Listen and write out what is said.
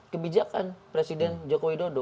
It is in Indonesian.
kebijakan presiden jokowi dodo